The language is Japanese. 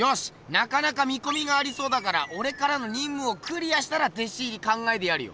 なかなか見こみがありそうだからおれからの任務をクリアしたら弟子入り考えてやるよ。